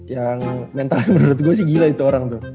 yang mentalnya menurut gue sih gila itu orang tuh